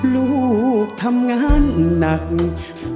ลูกทำงานหนักไม่รู้ว่าความล้ำเข็น